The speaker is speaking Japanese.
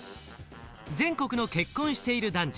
全国の結婚している男女